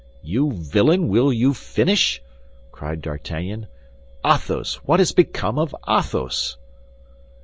"You villain, will you finish?" cried D'Artagnan, "Athos—what has become of Athos?"